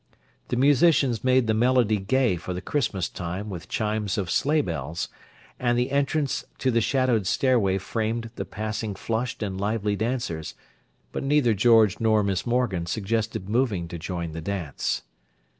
The musicians made the melody gay for the Christmastime with chimes of sleighbells, and the entrance to the shadowed stairway framed the passing flushed and lively dancers, but neither George nor Miss Morgan suggested moving to join the dance.